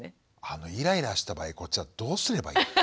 あのイライラした場合こっちはどうすればいいのかな。